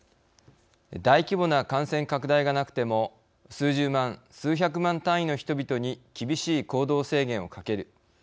大規模な感染拡大がなくても数十万、数百万単位の人々に厳しい行動制限をかける。